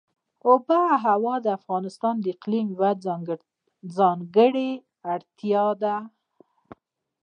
آب وهوا د افغانستان د اقلیم یوه ځانګړتیا ده.